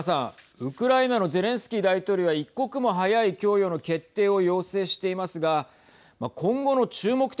ウクライナのゼレンスキー大統領は一刻も早い供与の決定を要請していますが今後の注目点